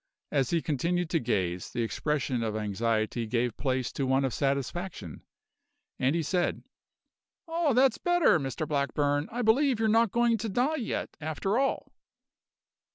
As he continued to gaze, the expression of anxiety gave place to one of satisfaction, and he said: "Ah, that's better, Mr Blackburn! I believe you're not going to die yet, after all."